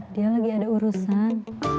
dia lagi ada urusan